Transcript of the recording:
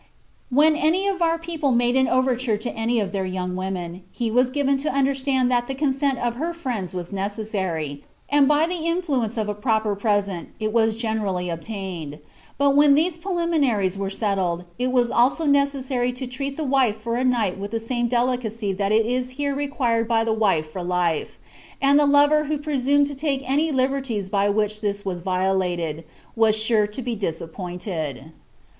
When any of our people made an overture to any of their young women, he was given to understand that the consent of her friends was necessary, and by the influence of a proper present it was generally obtained; but when these preliminaries were settled, it was also necessary to treat the wife for a night with the same delicacy that is here required by the wife for life, and the lover who presumed to take any liberties by which this was violated, was sure to be disappointed."